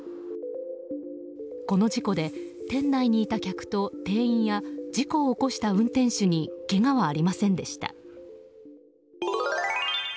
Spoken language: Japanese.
この事故で店内にいた客と店員や事故を起こした運転手にけがはありませんでした。